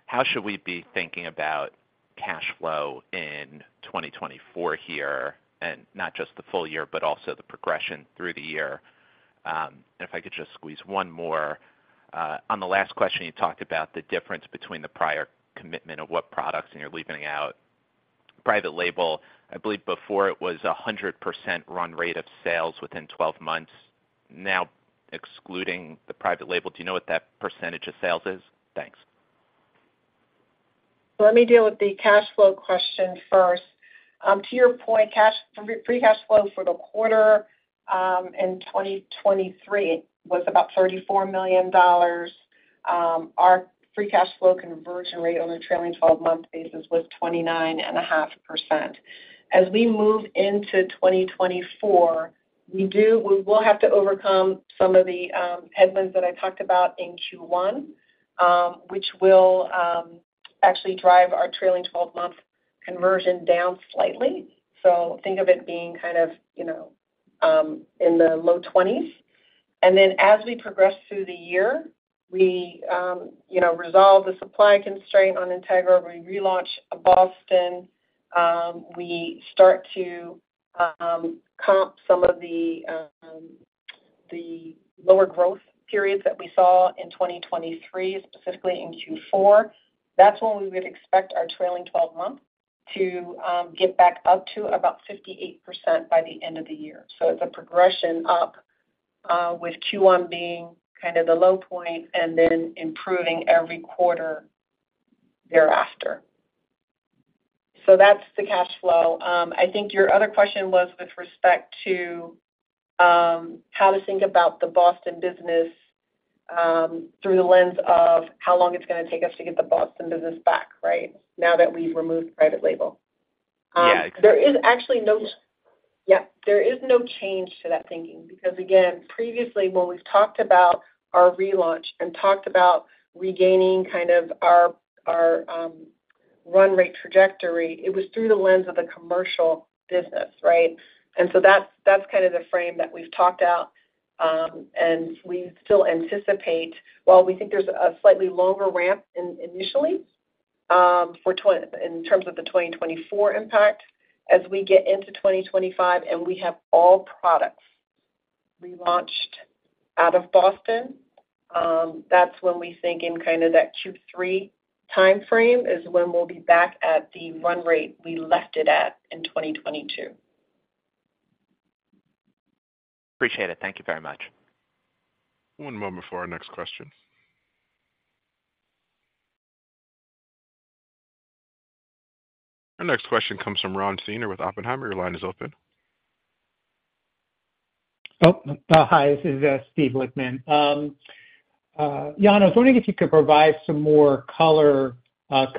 How should we be thinking about cash flow in 2024 here, and not just the full year but also the progression through the year? And if I could just squeeze one more. On the last question, you talked about the difference between the prior commitment of what products and you're leaving out. Private label, I believe before it was 100% run rate of sales within 12 months. Now, excluding the private label, do you know what that percentage of sales is? Thanks. Let me deal with the cash flow question first. To your point, free cash flow for the quarter in 2023 was about $34 million. Our free cash flow conversion rate on a trailing 12-month basis was 29.5%. As we move into 2024, we will have to overcome some of the headwinds that I talked about in Q1, which will actually drive our trailing 12-month conversion down slightly. So think of it being kind of in the low 20s. And then as we progress through the year, we resolve the supply constraint on Integra. We relaunch Boston. We start to comp some of the lower growth periods that we saw in 2023, specifically in Q4. That's when we would expect our trailing 12-month to get back up to about 58% by the end of the year. So it's a progression up with Q1 being kind of the low point and then improving every quarter thereafter. So that's the cash flow. I think your other question was with respect to how to think about the Boston business through the lens of how long it's going to take us to get the Boston business back, right, now that we've removed private label. There is actually no change to that thinking because, again, previously, when we've talked about our relaunch and talked about regaining kind of our run rate trajectory, it was through the lens of the commercial business, right? And so that's kind of the frame that we've talked out. And we still anticipate, while we think there's a slightly longer ramp initially in terms of the 2024 impact, as we get into 2025 and we have all products relaunched out of Boston, that's when we think in kind of that Q3 timeframe is when we'll be back at the run rate we left it at in 2022. Appreciate it. Thank you very much. One moment for our next question. Our next question comes from Ron Feiner with Oppenheimer. Your line is open. Oh, hi. This is Steve Lichtman. Jan, I was wondering if you could provide some more color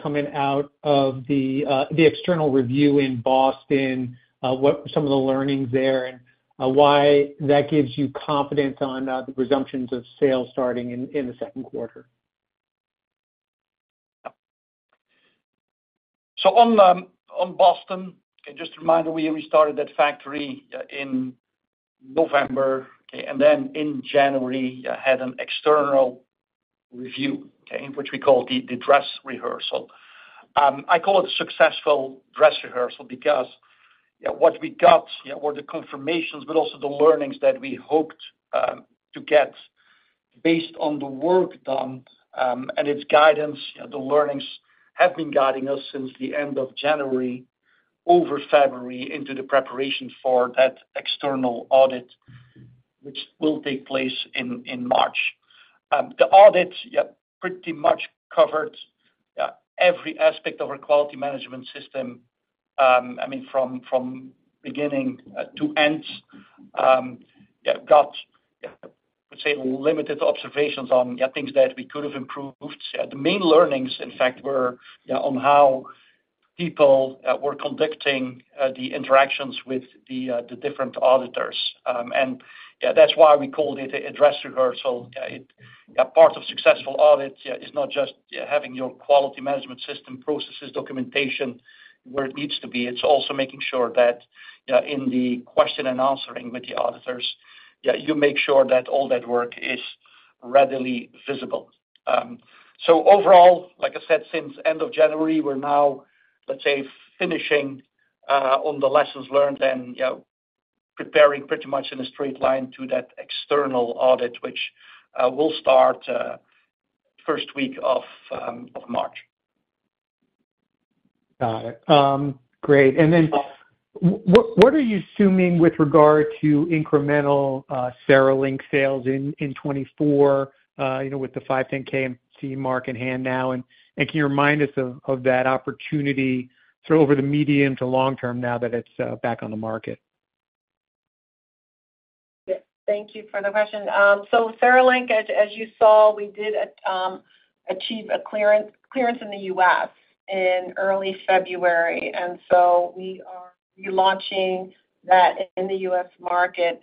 coming out of the external review in Boston, some of the learnings there, and why that gives you confidence on the presumptions of sales starting in the second quarter. So on Boston, okay, just a reminder, we restarted that factory in November, okay, and then in January, had an external review, okay, which we called the dress rehearsal. I call it a successful dress rehearsal because what we got were the confirmations but also the learnings that we hoped to get based on the work done and its guidance. The learnings have been guiding us since the end of January over February into the preparation for that external audit, which will take place in March. The audit pretty much covered every aspect of our quality management system, I mean, from beginning to end. Got, I would say, limited observations on things that we could have improved. The main learnings, in fact, were on how people were conducting the interactions with the different auditors. And that's why we called it a dress rehearsal. Part of successful audit is not just having your quality management system processes documentation where it needs to be. It's also making sure that in the question and answering with the auditors, you make sure that all that work is readily visible. So overall, like I said, since end of January, we're now, let's say, finishing on the lessons learned and preparing pretty much in a straight line to that external audit, which will start first week of March. Got it. Great. And then what are you assuming with regard to incremental CereLink sales in 2024 with the 510(k) in hand now? And can you remind us of that opportunity sort of over the medium to long term now that it's back on the market? Yes. Thank you for the question. So CereLink, as you saw, we did achieve a clearance in the US in early February. And so we are relaunching that in the US market.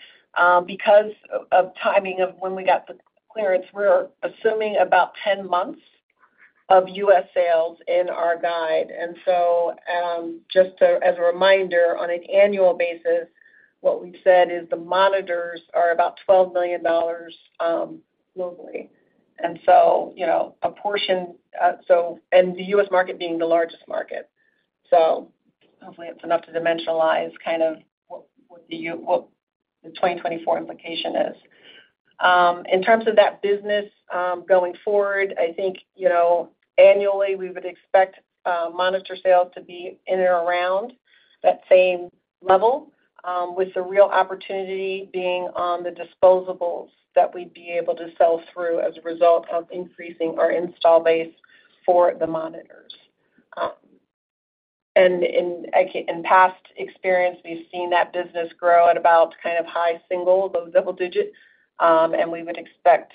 Because of timing of when we got the clearance, we're assuming about 10 months of US sales in our guide. And so just as a reminder, on an annual basis, what we've said is the monitors are about $12 million globally. And so a portion, so, and the US market being the largest market. So hopefully, it's enough to dimensionalize kind of what the 2024 implication is. In terms of that business going forward, I think annually, we would expect monitor sales to be in and around that same level with the real opportunity being on the disposables that we'd be able to sell through as a result of increasing our install base for the monitors. And in past experience, we've seen that business grow at about kind of high single-digit, low double-digit, and we would expect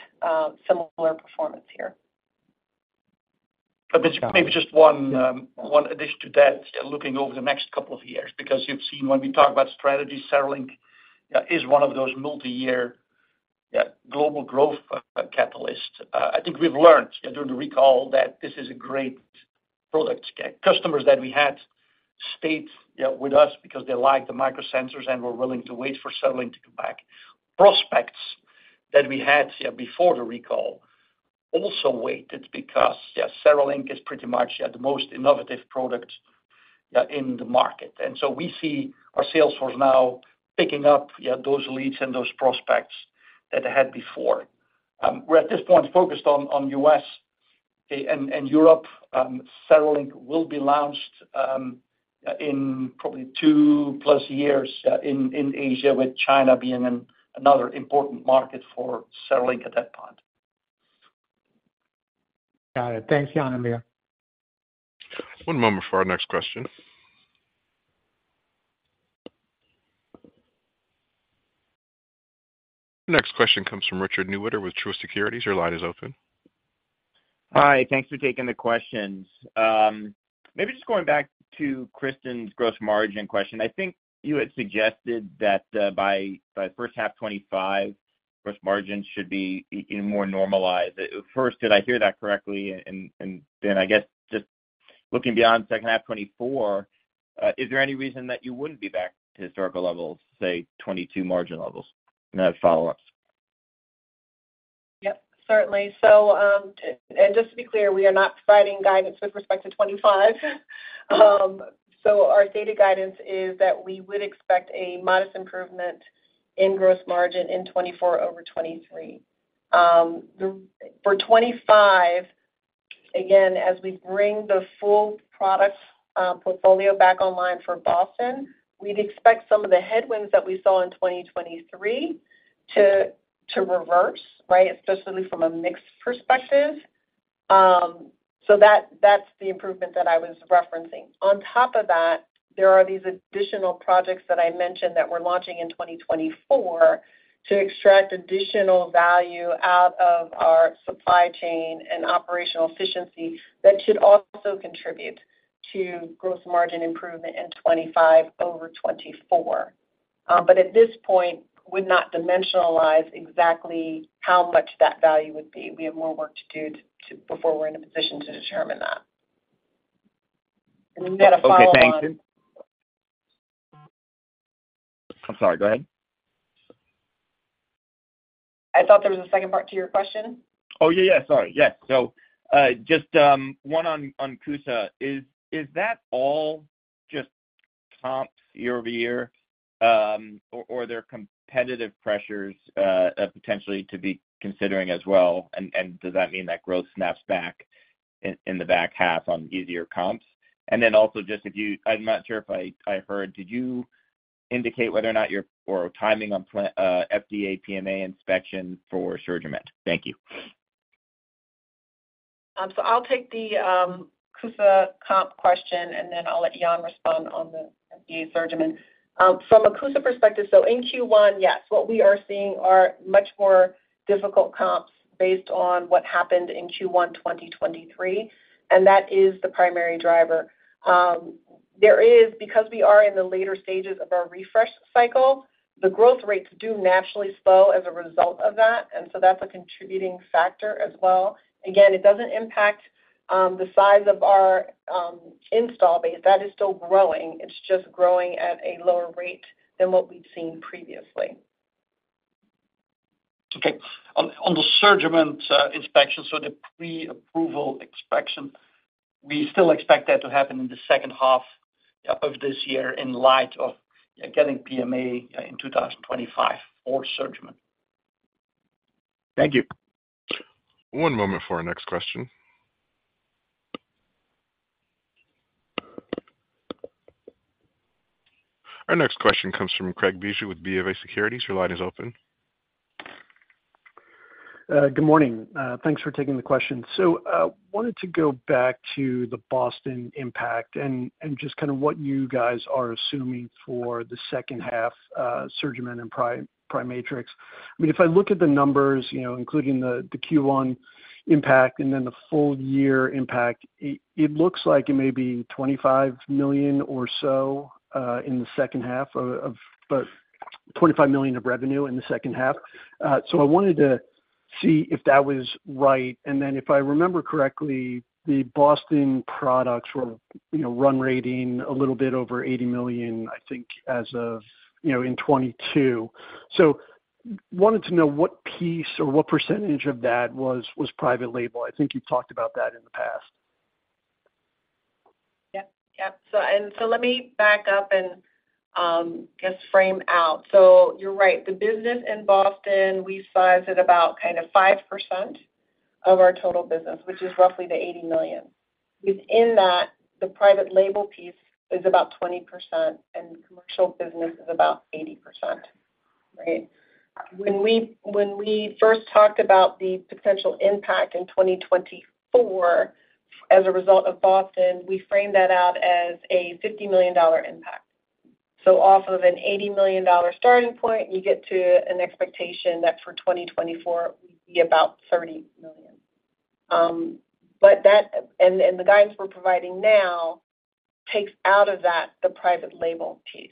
similar performance here. But maybe just one addition to that, looking over the next couple of years because you've seen when we talk about strategy, CereLink is one of those multi-year global growth catalysts. I think we've learned during the recall that this is a great product. Customers that we had stayed with us because they liked the microsensors and were willing to wait for CereLink to come back. Prospects that we had before the recall also waited because CereLink is pretty much the most innovative product in the market. And so we see our salesforce now picking up those leads and those prospects that they had before. We're at this point focused on U.S. and Europe. CereLink will be launched in probably 2+ years in Asia with China being another important market for CereLink at that point. Got it. Thanks, Jan and Lea. One moment for our next question. Next question comes from Richard Newitter with Truist Securities. Your line is open. Hi. Thanks for taking the questions. Maybe just going back to Kristen's gross margin question. I think you had suggested that by first half 2025, gross margins should be more normalized. First, did I hear that correctly? And then I guess just looking beyond second half 2024, is there any reason that you wouldn't be back to historical levels, say 2022 margin levels, and have follow-ups? Yep. Certainly. And just to be clear, we are not providing guidance with respect to 2025. So our stated guidance is that we would expect a modest improvement in gross margin in 2024 over 2023. For 2025, again, as we bring the full product portfolio back online for Boston, we'd expect some of the headwinds that we saw in 2023 to reverse, right, especially from a mix perspective. So that's the improvement that I was referencing. On top of that, there are these additional projects that I mentioned that we're launching in 2024 to extract additional value out of our supply chain and operational efficiency that should also contribute to gross margin improvement in 2025 over 2024. But at this point, would not dimensionalize exactly how much that value would be. We have more work to do before we're in a position to determine that. And we had a follow-up on that. Okay. Thanks. I'm sorry. Go ahead. I thought there was a second part to your question. Oh, yeah, yeah. Sorry. Yes. So just one on CUSA. Is that all just year-over-year comps, or are there competitive pressures potentially to be considering as well? And does that mean that growth snaps back in the back half on easier comps? And then also just if you—I'm not sure if I heard. Did you indicate whether or not your timing on FDA PMA inspection for SurgiMend? Thank you. So I'll take the CUSA comp question, and then I'll let Jan respond on the FDA SurgiMend. From a CUSA perspective, so in Q1, yes, what we are seeing are much more difficult comps based on what happened in Q1 2023, and that is the primary driver. Because we are in the later stages of our refresh cycle, the growth rates do naturally slow as a result of that. And so that's a contributing factor as well. Again, it doesn't impact the size of our install base. That is still growing. It's just growing at a lower rate than what we'd seen previously. Okay. On the SurgiMend inspection, so the pre-approval inspection, we still expect that to happen in the second half of this year in light of getting PMA in 2025 for SurgiMend. Thank you. One moment for our next question. Our next question comes from Craig Bijou with BofA Securities. Your line is open. Good morning. Thanks for taking the question. So I wanted to go back to the Boston impact and just kind of what you guys are assuming for the second half SurgiMend and PriMatrix. I mean, if I look at the numbers, including the Q1 impact and then the full-year impact, it looks like it may be $25 million or so in the second half of but $25 million of revenue in the second half. I wanted to see if that was right. Then if I remember correctly, the Boston products were run rate a little bit over $80 million, I think, in 2022. Wanted to know what piece or what percentage of that was private label. I think you've talked about that in the past. Yep. Yep. Let me back up and just frame out. You're right. The business in Boston, we size it about kind of 5% of our total business, which is roughly the $80 million. Within that, the private label piece is about 20%, and commercial business is about 80%, right? When we first talked about the potential impact in 2024 as a result of Boston, we framed that out as a $50 million impact. So off of an $80 million starting point, you get to an expectation that for 2024, we'd be about $30 million. And the guidance we're providing now takes out of that the private label piece,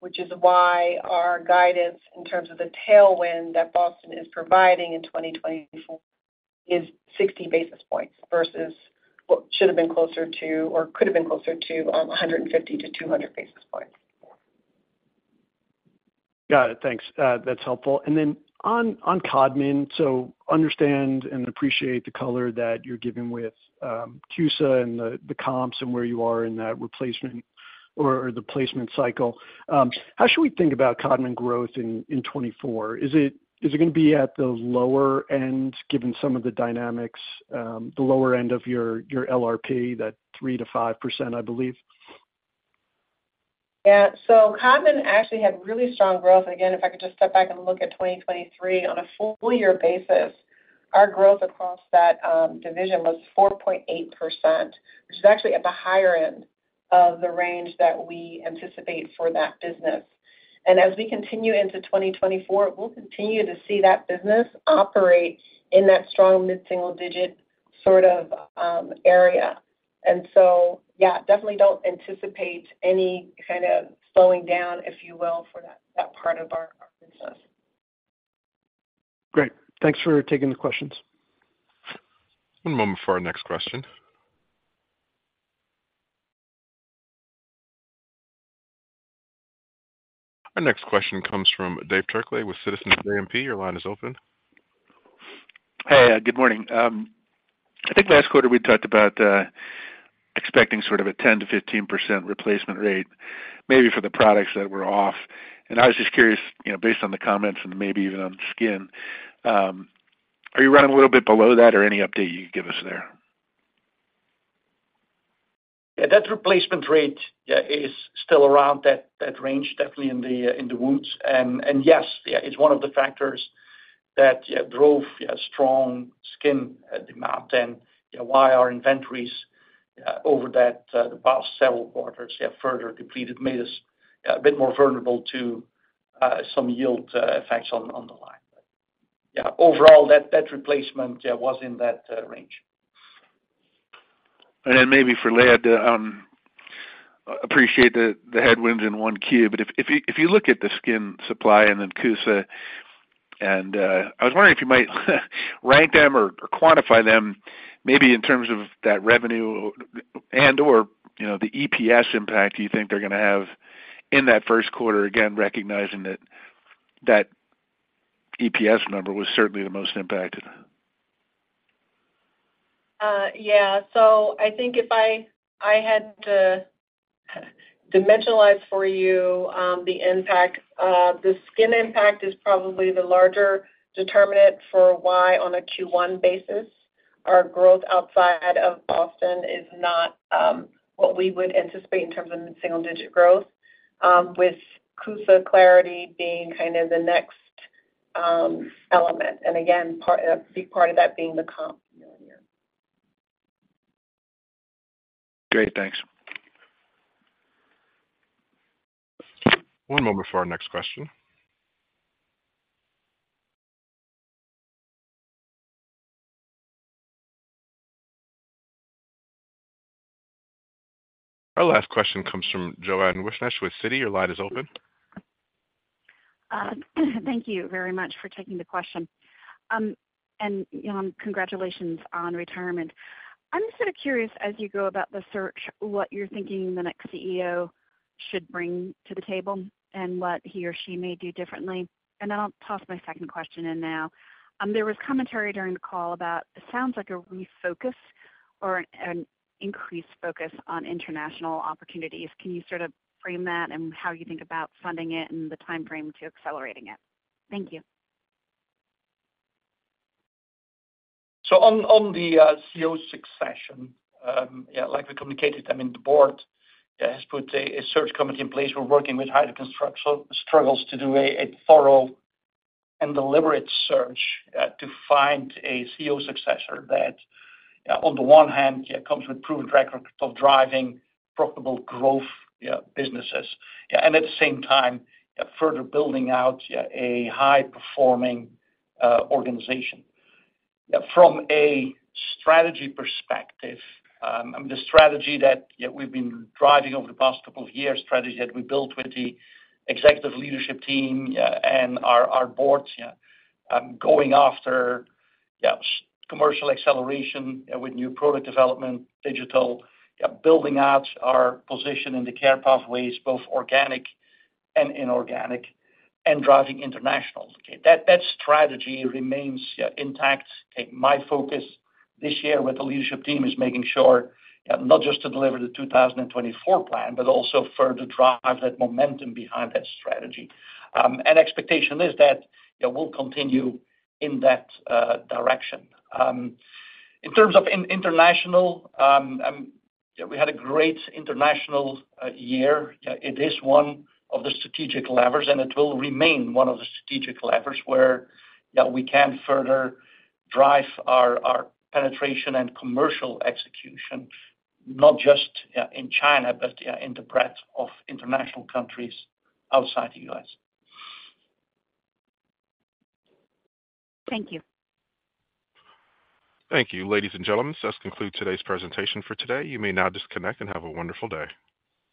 which is why our guidance in terms of the tailwind that Boston is providing in 2024 is 60 basis points versus what should have been closer to or could have been closer to 150-200 basis points. Got it. Thanks. That's helpful. And then on Codman, so understand and appreciate the color that you're giving with CUSA and the comps and where you are in that replacement or the placement cycle. How should we think about Codman growth in 2024? Is it going to be at the lower end given some of the dynamics, the lower end of your LRP, that 3%-5%, I believe? Yeah. So Codman actually had really strong growth. And again, if I could just step back and look at 2023 on a full-year basis, our growth across that division was 4.8%, which is actually at the higher end of the range that we anticipate for that business. And as we continue into 2024, we'll continue to see that business operate in that strong mid-single-digit sort of area. And so yeah, definitely don't anticipate any kind of slowing down, if you will, for that part of our business. Great. Thanks for taking the questions. One moment for our next question. Our next question comes from Dave Turkaly with Citizens JMP. Your line is open. Hey. Good morning. I think last quarter, we talked about expecting sort of a 10%-15% replacement rate maybe for the products that were off. I was just curious, based on the comments and maybe even on skin, are you running a little bit below that, or any update you could give us there? Yeah. That replacement rate is still around that range, definitely in the wounds. And yes, it's one of the factors that drove strong skin demand. And why our inventories over that the past several quarters further depleted made us a bit more vulnerable to some yield effects on the line. But yeah, overall, that replacement was in that range. And then maybe for Lea, I appreciate the headwinds in Q1, but if you look at the skin supply and then CUSA, and I was wondering if you might rank them or quantify them maybe in terms of that revenue and/or the EPS impact you think they're going to have in that first quarter, again, recognizing that EPS number was certainly the most impacted. Yeah. So I think if I had to dimensionalize for you the impact, the skin impact is probably the larger determinant for why on a Q1 basis, our growth outside of Boston is not what we would anticipate in terms of mid-single-digit growth, with CUSA Clarity being kind of the next element and again, a big part of that being the comp million. Great. Thanks. One moment for our next question. Our last question comes from Joanne Wuensch with Citi. Your line is open. Thank you very much for taking the question. Congratulations on retirement. I'm sort of curious, as you go about the search, what you're thinking the next CEO should bring to the table and what he or she may do differently. Then I'll toss my second question in now. There was commentary during the call about it sounds like a refocus or an increased focus on international opportunities. Can you sort of frame that and how you think about funding it and the timeframe to accelerating it? Thank you. On the CEO succession, like we communicated, I mean, the board has put a search committee in place. We're working with Heidrick & Struggles to do a thorough and deliberate search to find a CEO successor that, on the one hand, comes with proven track record of driving profitable growth businesses and at the same time, further building out a high-performing organization. From a strategy perspective, I mean, the strategy that we've been driving over the past couple of years, strategy that we built with the executive leadership team and our boards, going after commercial acceleration with new product development, digital, building out our position in the care pathways, both organic and inorganic, and driving international. Okay. That strategy remains intact. My focus this year with the leadership team is making sure not just to deliver the 2024 plan, but also further drive that momentum behind that strategy. And expectation is that we'll continue in that direction. In terms of international, we had a great international year. It is one of the strategic levers, and it will remain one of the strategic levers where we can further drive our penetration and commercial execution, not just in China, but in the breadth of international countries outside the U.S. Thank you. Thank you, ladies and gentlemen. This concludes today's presentation for today. You may now disconnect and have a wonderful day.